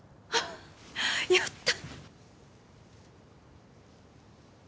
やった！